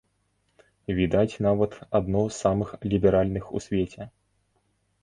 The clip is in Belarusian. Відаць, нават, адно з самых ліберальных у свеце.